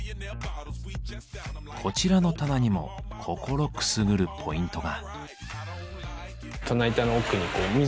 こちらの棚にも心くすぐるポイントが。